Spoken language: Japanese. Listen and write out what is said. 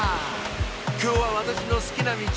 今日は私の好きなミチ